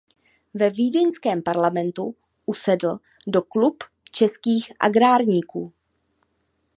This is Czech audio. Ve vídeňském parlamentu usedl do Klub českých agrárníků.